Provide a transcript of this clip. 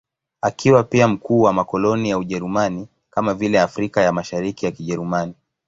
Akiwa pia mkuu wa makoloni ya Ujerumani, kama vile Afrika ya Mashariki ya Kijerumani.